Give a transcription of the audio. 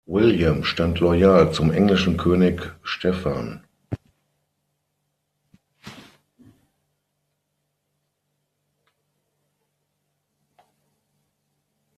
William stand loyal zum englischen König Stephan.